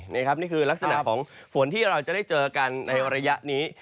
นี่คือลักษณะของฝนที่เราจะได้เจอกันในระยะนี้